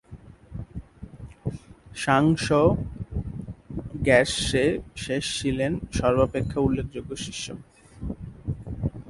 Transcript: সাংস-র্গ্যাস-য়ে-শেস ছিলেন সর্বাপেক্ষা উল্লেখযোগ্য শিষ্য।